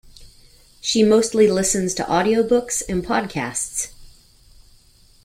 She mostly listens to audiobooks and podcasts